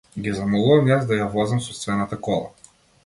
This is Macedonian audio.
Ги замолувам јас да ја возам сопствената кола.